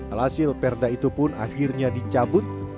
alhasil perda itu pun akhirnya dicabut